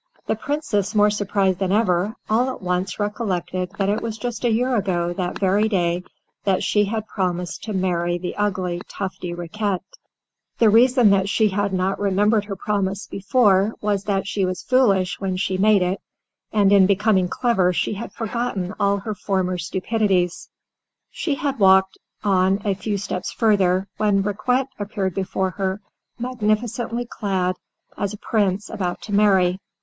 The Princess, more surprised than ever, all at once recollected that it was just a year ago that very day that she had promised to marry the ugly Tufty Riquet. [Illustration: "TO THINK IT OVER SHE WENT INTO THE WOOD."] The reason that she had not remembered her promise before was that she was foolish when she made it, and in becoming clever she had forgotten all her former stupidities. She had only walked on a few steps further, when Riquet appeared before her, magnificently clad, as a Prince about to marry.